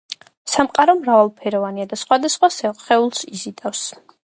სამყარო მრავალფეროვანია და სხვადასხვა სხეულს იზიდავს